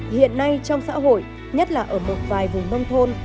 hiện nay trong xã hội nhất là ở một vài vùng nông thôn